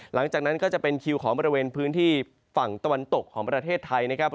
หลังจากนั้นก็จะเป็นคิวของบริเวณพื้นที่ฝั่งตะวันตกของประเทศไทยนะครับ